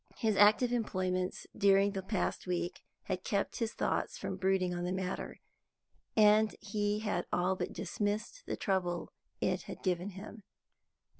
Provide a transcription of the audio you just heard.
His active employments during the past week had kept his thoughts from brooding on the matter, and he had all but dismissed the trouble it had given him.